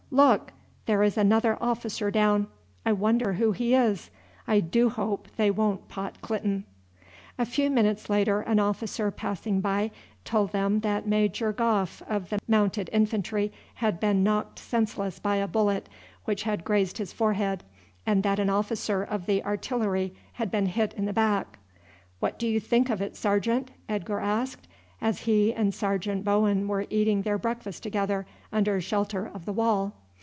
Look! there is another officer down. I wonder who he is. I do hope they won't pot Clinton." A few minutes later an officer passing by told them that Major Gough of the Mounted Infantry had been knocked senseless by a bullet which had grazed his forehead, and that an officer of the artillery had been hit in the back. "What do you think of it, sergeant?" Edgar asked, as he and Sergeant Bowen were eating their breakfast together under shelter of the wall.